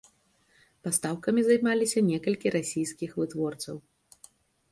Пастаўкамі займаліся некалькі расійскіх вытворцаў.